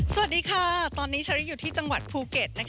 สวัสดีค่ะตอนนี้เชอรี่อยู่ที่จังหวัดภูเก็ต